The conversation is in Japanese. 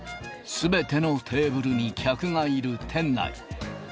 すべてのテーブルに客がいる店内。